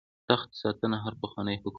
د تخت ساتنه هر پخوانی حکم بدلوي.